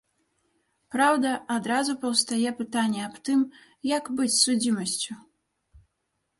Праўда, адразу паўстае пытанне аб тым, як быць з судзімасцю?